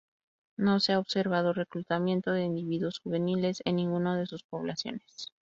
No se ha observado reclutamiento de individuos juveniles en ninguna de sus poblaciones.